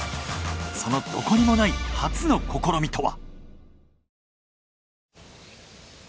そのどこにもない初の試みとは。